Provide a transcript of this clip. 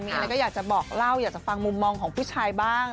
มีอะไรก็อยากจะบอกเล่าอยากจะฟังมุมมองของผู้ชายบ้าง